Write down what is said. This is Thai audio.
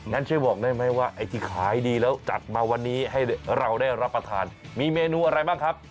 งั้นช่วยบอกได้ไหมว่าไอ้ที่ขายดีแล้วจัดมาวันนี้ให้เราได้รับประทานมีเมนูอะไรบ้างครับ